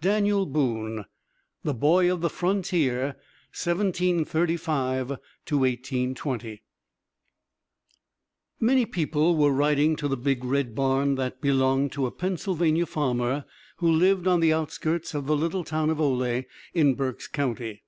VII Daniel Boone The Boy of the Frontier: 1735 1820 Many people were riding to the big red barn that belonged to a Pennsylvania farmer who lived on the outskirts of the little town of Oley in Berks County.